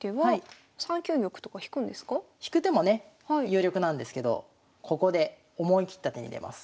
引く手もね有力なんですけどここで思い切った手に出ます。